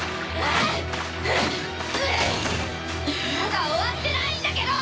まだ終わってないんだけど！！